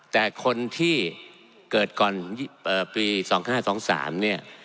แต่คนที่เกิดก่อนปี๒๕๒๓เนี่ย